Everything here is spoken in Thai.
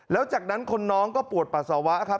แล้วจากนั้นคนน้องก็ปวดปัสสาวะครับ